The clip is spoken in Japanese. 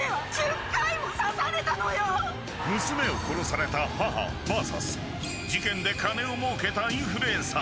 娘を殺された母ＶＳ事件で金をもうけたインフルエンサー。